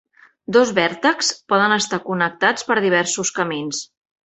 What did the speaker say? Dos vèrtexs poden estar connectats per diversos camins.